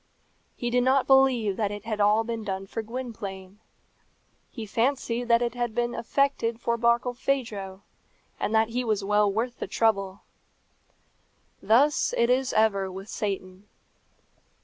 He did not believe that it had all been done for Gwynplaine. He fancied that it had been effected for Barkilphedro, and that he was well worth the trouble. Thus it is ever with Satan.